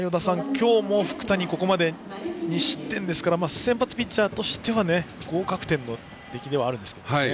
今日も福谷ここまで２失点ですから先発ピッチャーとしては合格点の出来ではあるんですよね。